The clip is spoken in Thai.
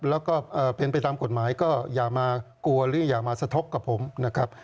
แล้วก็เป็นไปตามกฎหมายก็อย่ามากลัวหรืออย่ามาสะทกกับผมนะครับ